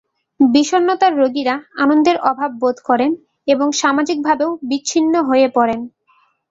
বিষণ্নতার রোগীরা আনন্দের অভাব বোধ করেন এবং সামাজিকভাবেও বিচ্ছিন্ন হয়ে পড়েন।